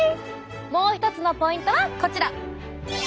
もう一つのポイントはこちら！